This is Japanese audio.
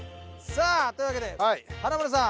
さあというわけで華丸さん。